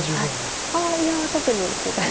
「ああいや特に」っていう感じで。